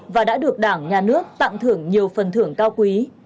và đã được đảng nhà nước tặng thưởng nhiều phần thưởng cao quý